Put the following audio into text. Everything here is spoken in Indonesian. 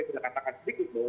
sudah dikatakan sedikit